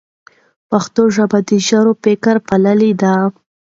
پښتو ژبه د ژور فکر پایله ده.